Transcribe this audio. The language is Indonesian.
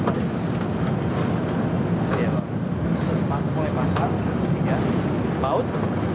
mulai pasang tiga baut